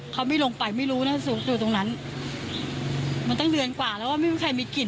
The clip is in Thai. เขาไม่ลงไปไม่รู้นะสูงอยู่ตรงนั้นมันตั้งเดือนกว่าแล้วว่าไม่มีใครมีกลิ่น